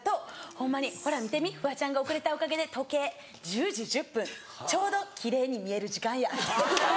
ホンマにほら見てみフワちゃんが遅れたおかげで時計１０時１０分ちょうど奇麗に見える時間や」。